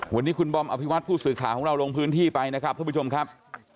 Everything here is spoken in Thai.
วันนี้คุณบอมอภิวัตผู้สื่อข่าวของเราลงพื้นที่ไปนะครับทุกผู้ชมครับ